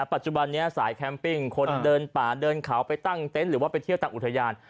ปัจจุบันนี้สายแคมปิ้งคนเดินป่าเดินเขาไปตั้งเต็นต์หรือว่าไปเที่ยวต่างอุทยาน